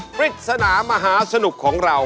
ปริศนามหาสนุกของเรา